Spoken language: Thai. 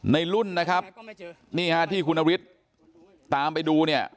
ในรุ่นนะครับนี่ฮะที่คุณนฤทธิ์ตามไปดูเนี่ย